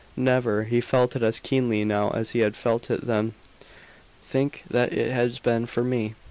Never. He felt it as keenly now as he had felt it then. "Think what it has been for me!"